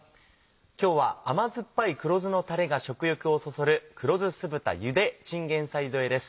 今日は甘酸っぱい黒酢のたれが食欲をそそる「黒酢酢豚ゆでチンゲンサイ添え」です。